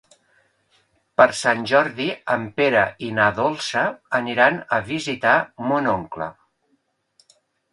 Per Sant Jordi en Pere i na Dolça aniran a visitar mon oncle.